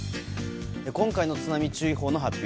今回の津波注意報の発表